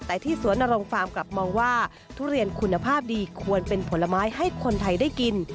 แต่ที่สวนนรงฟาร์มกลับมองว่าทุเรียนคุณภาพดีควรเป็นผลไม้ให้คนไทยได้กิน